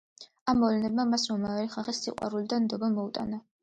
ამ მოვლენებმა მას რომაელი ხალხის სიყვარული და ნდობა მოუტანა.